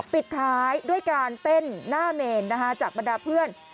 ปิดท้ายด้วยการเต้นหน้าเมนจากบรรดาเพื่อน